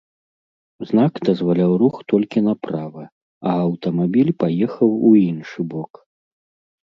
Знак дазваляў рух толькі направа, а аўтамабіль паехаў у іншы бок.